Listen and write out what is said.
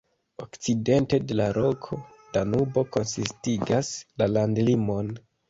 Okcidente de la loko Danubo konsistigas la landlimon.